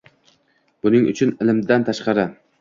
Buning uchun ilmdan tashqari